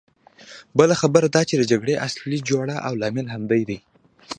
بله خبره دا چې د جګړې اصلي جرړه او لامل همدی دی.